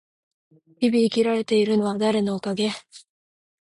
日々生きられているのは誰のおかげ？